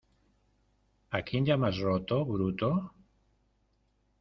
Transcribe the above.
¿ A quién llamas roto, bruto?